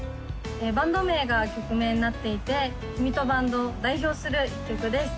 バンド名が曲名になっていてきみとバンドを代表する曲です